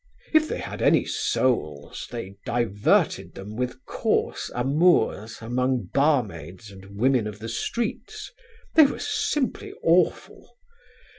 If they had any souls they diverted them with coarse amours among barmaids and the women of the streets; they were simply awful.